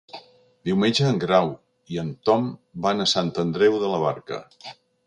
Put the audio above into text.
Diumenge en Grau i en Tom van a Sant Andreu de la Barca.